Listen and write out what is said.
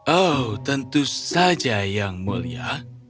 oh tentu saja yang mulia